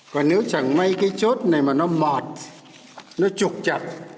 và nếu chẳng may cái chốt này mà nó mọt nó trục chặt